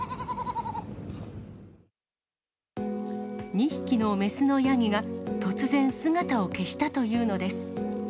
２匹の雌のヤギが、突然姿を消したというのです。